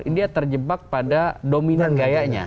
dia terjebak pada dominan gayanya